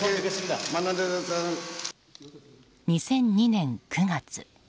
２００２年９月。